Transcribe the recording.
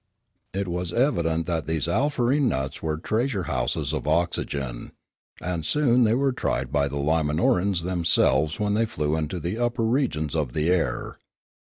It was evident that these alfarene nuts were treasure houses of oxygen; and soon they were tried by the Li ma nor an s themselves when they flew into the upper regions of the air.